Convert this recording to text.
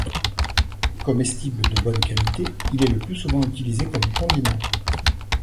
Comestible de bonne qualité, il est le plus souvent utilisé comme condiment.